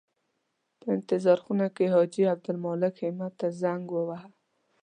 په انتظار خونه کې حاجي عبدالمالک همت ته زنګ وواهه.